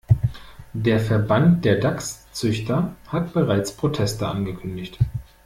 Der Verband der Dachszüchter hat bereits Proteste angekündigt.